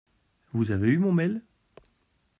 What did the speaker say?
Vous avez eu mon mail ?